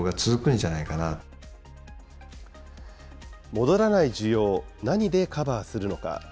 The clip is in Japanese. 戻らない需要、何でカバーするのか。